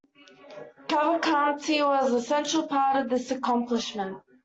Cavalcanti was a central part of this accomplishment.